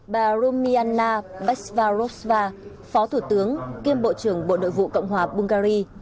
bà rumiana bezvarovsva phó thủ tướng kiêm bộ trưởng bộ đội vụ cộng hòa bungary